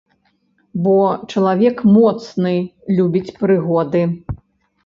Бо чалавек моцны любіць прыгоды.